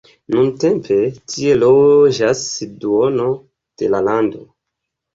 Nuntempe tie loĝas duono de la lando.